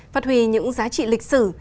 phát huy những giá trị lịch sử